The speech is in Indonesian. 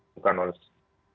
bukan hanya di